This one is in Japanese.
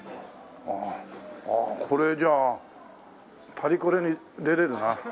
ああこれじゃあパリコレに出れるな。